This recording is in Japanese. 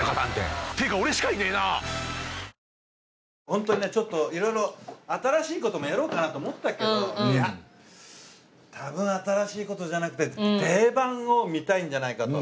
ホントにねちょっと色々新しい事もやろうかなと思ったけどいや多分新しい事じゃなくて定番を見たいんじゃないかと。